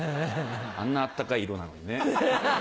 あんな暖かい色なのにね。